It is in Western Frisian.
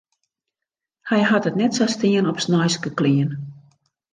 Hy hat it net sa stean op sneinske klean.